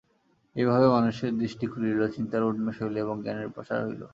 এইভাবে মানুষের দৃষ্টি খুলিল, চিন্তার উন্মেষ হইল এবং জ্ঞানের প্রসার হইল।